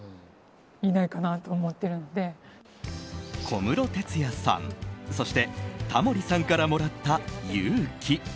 小室哲哉さん、そしてタモリさんからもらった勇気。